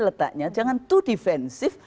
letaknya jangan too defensif